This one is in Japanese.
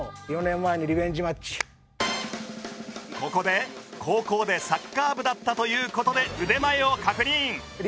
ここで高校でサッカー部だったという事で腕前を確認。